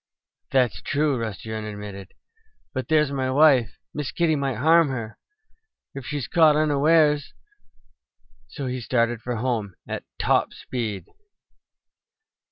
"That's true," Rusty Wren admitted. "But there's my wife! Miss Kitty might harm her, if she caught her unawares." So he started for home at top speed.